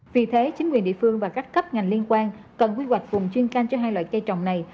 vì thế chính quyền địa phương và các cấp ngành liên quan cần quy hoạch vùng chuyên canh cho hai loại cây trồng này